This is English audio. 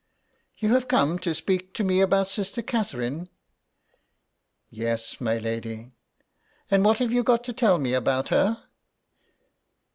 '^ You have come to speak to me about Sister Catherine?" " Yes, my lady." " And what have you got to tell me about her?